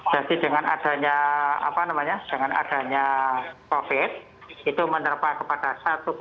berarti dengan adanya apa namanya dengan adanya covid itu menerpa kepada satu tiga juta